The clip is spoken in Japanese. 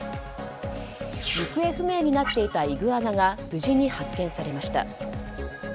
行方不明になっていたイグアナが無事に発見されました。